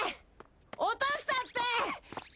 落としたって！